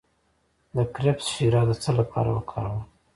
د کرفس شیره د څه لپاره وکاروم؟